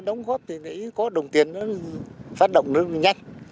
đóng góp thì có đồng tiền nó phát động rất nhanh